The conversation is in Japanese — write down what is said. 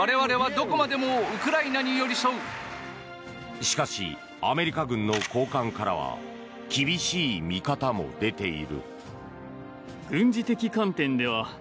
しかしアメリカ軍の高官からは厳しい見方も出ている。